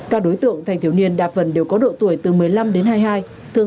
các đối tượng thành thiếu niên đa phần đều có độ tuổi từ một mươi năm đến hai mươi hai